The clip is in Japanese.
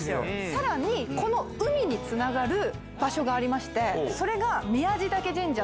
さらにこの海につながる場所がありまして。